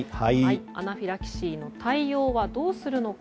アナフィラキシーの対応はどうするのか。